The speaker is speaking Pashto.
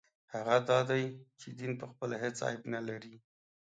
هغه دا دی چې دین پخپله هېڅ عیب نه لري.